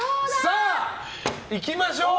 さあ、いきましょう！